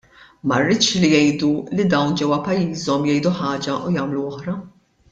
Ma rridx li jgħidu li dawn ġewwa pajjiżhom jgħidu ħaġa u jagħmlu oħra!